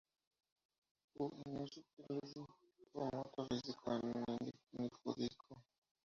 U y New Super Luigi U, en formato físico, en un único disco.